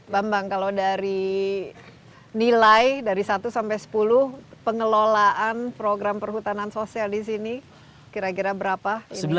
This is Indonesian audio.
bambang kalau dari nilai dari satu sampai sepuluh pengelolaan program perhutanan sosial di sini kira kira berapa ini